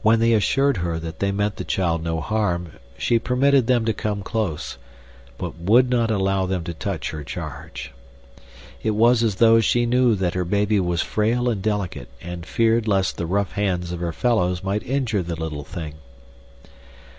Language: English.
When they assured her that they meant the child no harm she permitted them to come close, but would not allow them to touch her charge. It was as though she knew that her baby was frail and delicate and feared lest the rough hands of her fellows might injure the little thing.